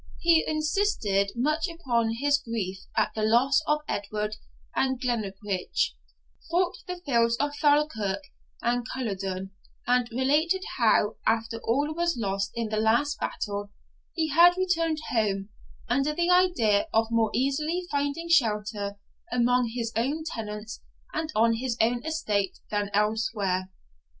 He insisted much upon his grief at the loss of Edward and of Glennaquoich, fought the fields of Falkirk and Culloden, and related how, after all was lost in the last battle, he had returned home, under the idea of more easily finding shelter among his own tenants and on his own estate than elsewhere.